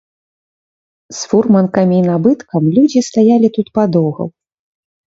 З фурманкамі і набыткам людзі стаялі тут падоўгу.